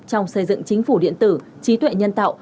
trong xây dựng chính phủ điện tử trí tuệ nhân tạo